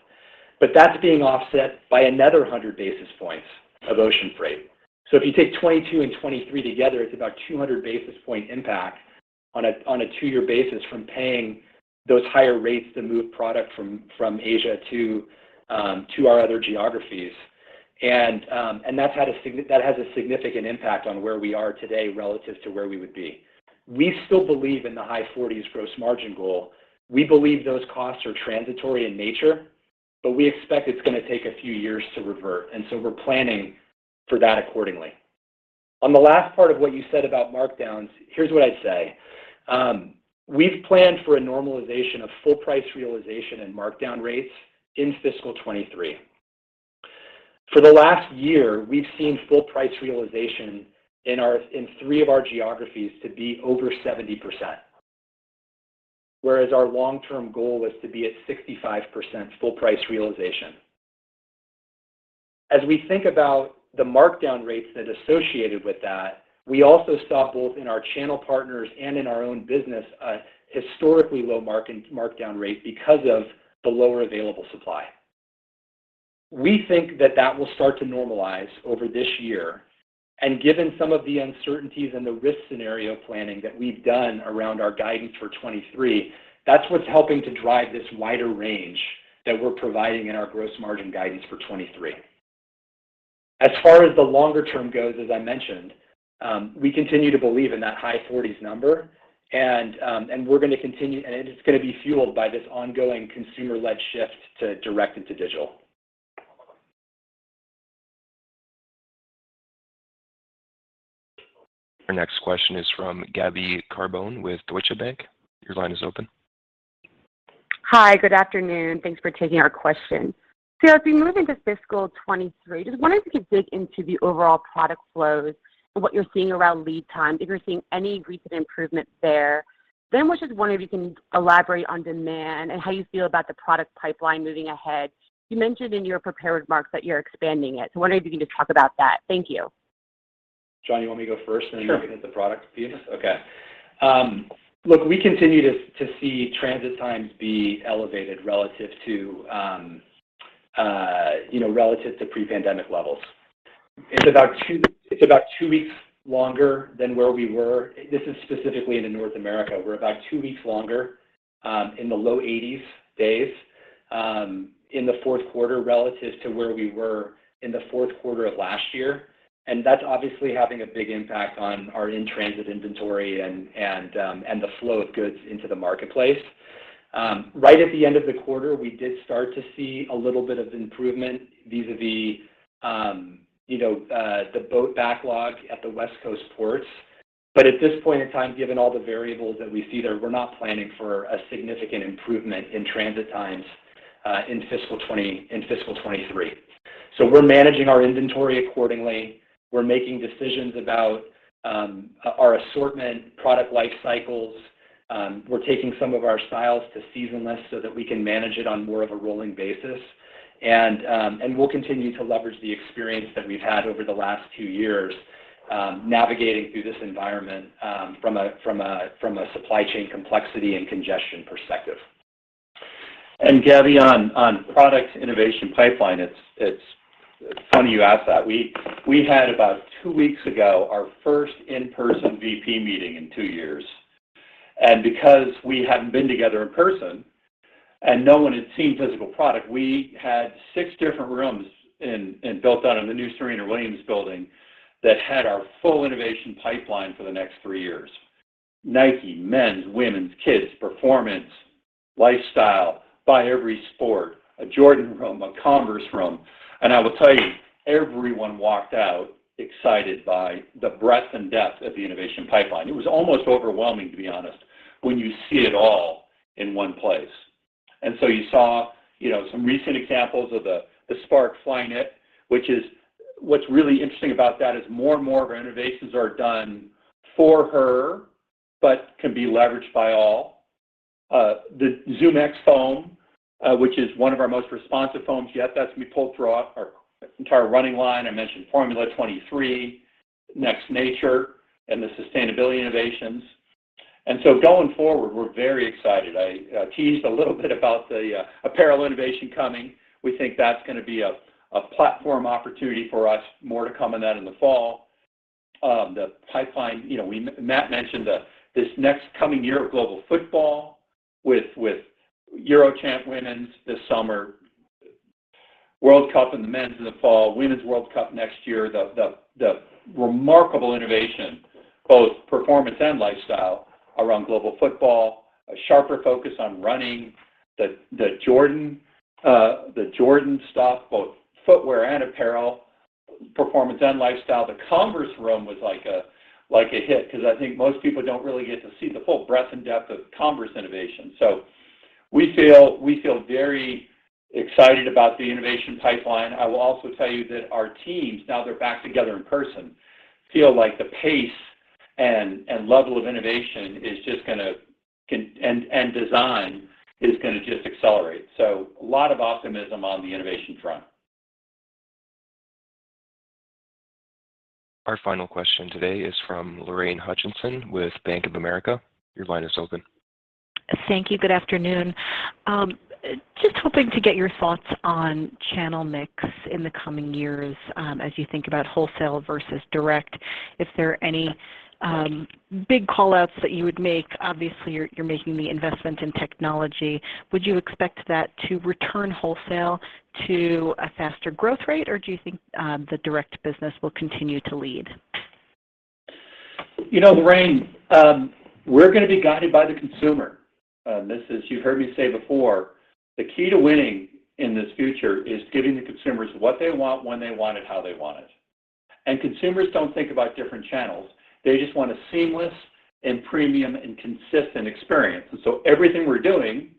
That's being offset by another 100 basis points of ocean freight. If you take 2022 and 2023 together, it's about 200 basis points impact on a two-year basis from paying those higher rates to move product from Asia to our other geographies. That has a significant impact on where we are today relative to where we would be. We still believe in the high 40s gross margin goal. We believe those costs are transitory in nature, but we expect it's gonna take a few years to revert, and so we're planning for that accordingly. On the last part of what you said about markdowns, here's what I'd say. We've planned for a normalization of full price realization and markdown rates in fiscal 2023. For the last year, we've seen full price realization in three of our geographies to be over 70%, whereas our long-term goal was to be at 65% full price realization. As we think about the markdown rates that are associated with that, we also saw both in our channel partners and in our own business a historically low markdown rate because of the lower available supply. We think that that will start to normalize over this year, and given some of the uncertainties and the risk scenario planning that we've done around our guidance for 2023, that's what's helping to drive this wider range that we're providing in our gross margin guidance for 2023. As far as the longer term goes, as I mentioned, we continue to believe in that high 40s% number, and we're gonna continue. It's gonna be fueled by this ongoing consumer-led shift to direct and to digital.
Our next question is from Gabby Carbone with Deutsche Bank. Your line is open.
Hi, good afternoon. Thanks for taking our question. As we move into fiscal 2023, just wondering if you could dig into the overall product flows and what you're seeing around lead times, if you're seeing any recent improvements there. Was just wondering if you can elaborate on demand and how you feel about the product pipeline moving ahead. You mentioned in your prepared remarks that you're expanding it, so wondering if you can just talk about that? Thank you.
John, you want me to go first?
Sure
Then you can hit the product piece? Okay. Look, we continue to see transit times be elevated relative to pre-pandemic levels. It's about two weeks longer than where we were. This is specifically in North America. We're about two weeks longer in the low 80s days in the fourth quarter relative to where we were in the fourth quarter of last year, and that's obviously having a big impact on our in-transit inventory and the flow of goods into the marketplace. Right at the end of the quarter, we did start to see a little bit of improvement vis-a-vis the boat backlog at the West Coast ports. At this point in time, given all the variables that we see there, we're not planning for a significant improvement in transit times in fiscal 2023. We're managing our inventory accordingly. We're making decisions about our assortment, product life cycles. We're taking some of our styles to season less so that we can manage it on more of a rolling basis. We'll continue to leverage the experience that we've had over the last two years navigating through this environment from a supply chain complexity and congestion perspective.
Gabby, on product innovation pipeline, it's funny you ask that. We had about two weeks ago our first in-person VP meeting in two years, and because we hadn't been together in person and no one had seen physical product, we had 6 different rooms in built out in the new Serena Williams building that had our full innovation pipeline for the next 3 years. NIKE, men's, women's, kids, performance, lifestyle, by every sport, a Jordan room, a Converse room, and I will tell you, everyone walked out excited by the breadth and depth of the innovation pipeline. It was almost overwhelming, to be honest, when you see it all in one place. You saw, you know, some recent examples of the Spark Flyknit, which is. What's really interesting about that is more and more of our innovations are done for her, but can be leveraged by all. The ZoomX foam, which is one of our most responsive foams yet, that's gonna be pulled throughout our entire running line. I mentioned Formula 23, Next Nature, and the sustainability innovations. Going forward, we're very excited. I teased a little bit about the apparel innovation coming. We think that's gonna be a platform opportunity for us. More to come on that in the fall. The pipeline, you know, Matt mentioned this next coming year of global football with UEFA Women's Euro this summer, FIFA World Cup in the men's in the fall, FIFA Women's World Cup next year. The remarkable innovation, both performance and lifestyle around global football. A sharper focus on running. The Jordan stuff, both footwear and apparel, performance and lifestyle. The Converse room was like a hit 'cause I think most people don't really get to see the full breadth and depth of Converse innovation. We feel very excited about the innovation pipeline. I will also tell you that our teams, now they're back together in person, feel like the pace and level of innovation and design is just gonna accelerate. A lot of optimism on the innovation front.
Our final question today is from Lorraine Hutchinson with Bank of America. Your line is open.
Thank you. Good afternoon. Just hoping to get your thoughts on channel mix in the coming years, as you think about wholesale versus direct. If there are any big call-outs that you would make. Obviously you're making the investment in technology. Would you expect that to return wholesale to a faster growth rate, or do you think the direct business will continue to lead?
You know, Lorraine, we're gonna be guided by the consumer. This is, you've heard me say before, the key to winning in this future is giving the consumers what they want, when they want it, how they want it. Consumers don't think about different channels. They just want a seamless and premium and consistent experience. Everything we're doing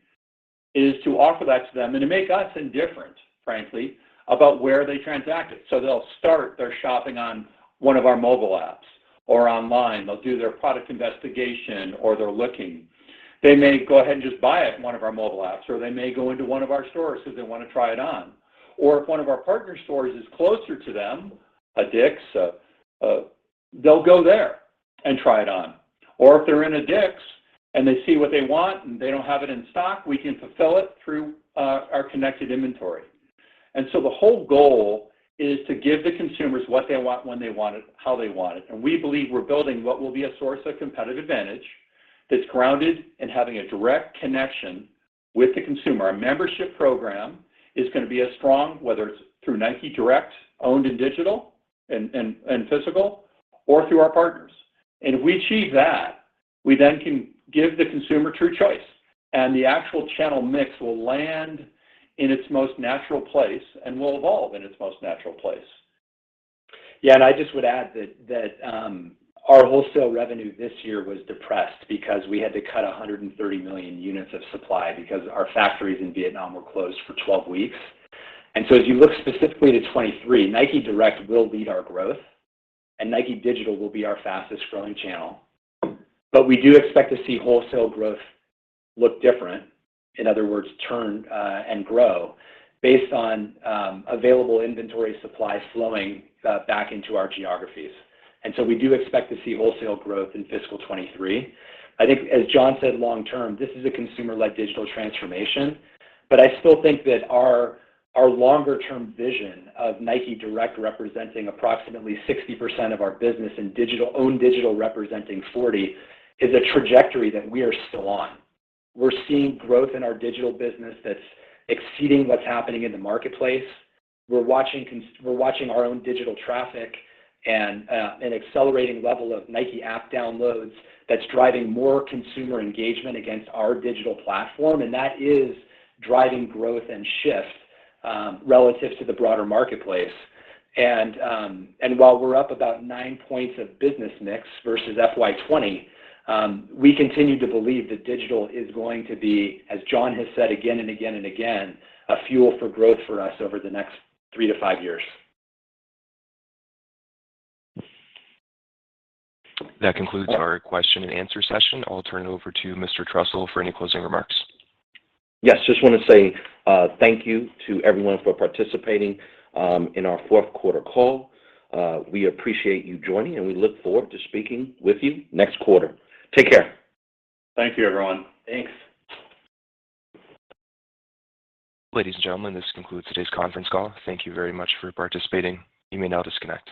is to offer that to them and to make us indifferent, frankly, about where they transact it. They'll start their shopping on one of our mobile apps or online. They'll do their product investigation or they're looking. They may go ahead and just buy it in one of our mobile apps, or they may go into one of our stores because they want to try it on. If one of our partner stores is closer to them, a DICK's, they'll go there and try it on. If they're in a DICK's and they see what they want and they don't have it in stock, we can fulfill it through our connected inventory. The whole goal is to give the consumers what they want, when they want it, how they want it. We believe we're building what will be a source of competitive advantage that's grounded in having a direct connection with the consumer. Our membership program is going to be as strong, whether it's through NIKE Direct, owned and digital, and physical, or through our partners. If we achieve that, we then can give the consumer true choice. The actual channel mix will land in its most natural place and will evolve in its most natural place.
Yeah. I just would add that our wholesale revenue this year was depressed because we had to cut 130 million units of supply because our factories in Vietnam were closed for 12 weeks. As you look specifically to 2023, NIKE Direct will lead our growth and NIKE Digital will be our fastest growing channel. We do expect to see wholesale growth look different, in other words, turn and grow based on available inventory supply flowing back into our geographies. We do expect to see wholesale growth in fiscal 2023. I think as John said, long term, this is a consumer-led digital transformation, but I still think that our longer term vision of NIKE Direct representing approximately 60% of our business and digital, owned digital representing 40 is a trajectory that we are still on. We're seeing growth in our Digital business that's exceeding what's happening in the marketplace. We're watching our own digital traffic and an accelerating level of NIKE App downloads that's driving more consumer engagement against our digital platform. That is driving growth and shift relative to the broader marketplace. While we're up about 9 points of business mix versus FY 2020, we continue to believe that digital is going to be, as John has said again and again and again, a fuel for growth for us over the next 3-5 years.
That concludes our question and answer session. I'll turn it over to Mr. Trussell for any closing remarks.
Yes. Just want to say, thank you to everyone for participating in our Fourth Quarter Call. We appreciate you joining, and we look forward to speaking with you next quarter. Take care.
Thank you, everyone.
Thanks.
Ladies and gentlemen, this concludes today's conference call. Thank you very much for participating. You may now disconnect.